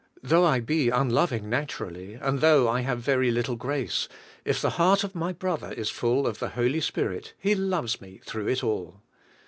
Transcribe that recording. Though I be unloving naturallj^ and though I have very little grace, if the heart of my brother is full of the Holy Spirit he loves me through it all.